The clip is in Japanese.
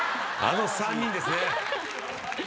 あの３人です。